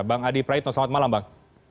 bang adi praitno selamat malam bang